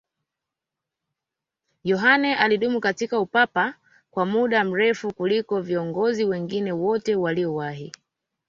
yohane alidumu katika upapa kwa muda mrefu kuliko viongozi wengine wote waliowahi